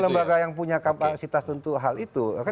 lembaga yang punya kapasitas untuk hal itu